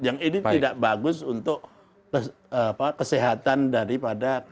yang ini tidak bagus untuk kesehatan daripada kehidupan publik kita